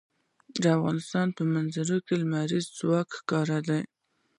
د افغانستان په منظره کې لمریز ځواک ښکاره ده.